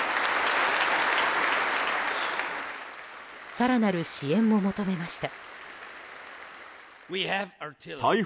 更なる支援も求めました。